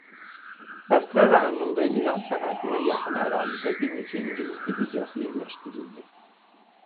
Bəsrə rayonunda İran sərhədlərinə yaxın əraziyə bir neçə ingilis diviziyası yerləşdirildi.